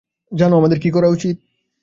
জানো আমাদের কী করা উচিত?